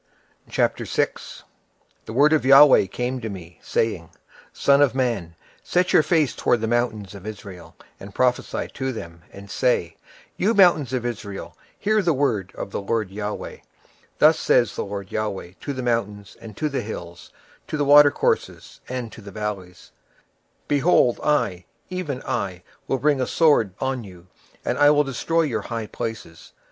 26:006:001 And the word of the LORD came unto me, saying, 26:006:002 Son of man, set thy face toward the mountains of Israel, and prophesy against them, 26:006:003 And say, Ye mountains of Israel, hear the word of the Lord GOD; Thus saith the Lord GOD to the mountains, and to the hills, to the rivers, and to the valleys; Behold, I, even I, will bring a sword upon you, and I will destroy your high places.